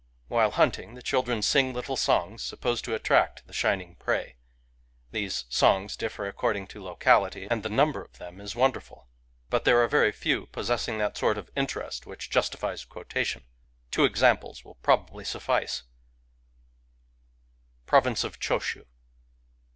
While hunting, the chil dren sing little songs, supposed to attract the shining prey. These songs diflFer according to locality ; and the number of them is wonderful. But there are very few possessing that sort of in terest which justifies quotation. Two examples will probably suffice :— {Province of Choshu.)